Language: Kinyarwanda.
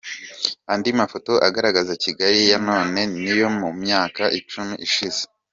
Andi mafoto agaragaza Kigali ya none n’iyo mu myaka icumi ishize.